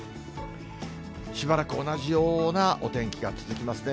しばらく同じようなお天気が続きますね。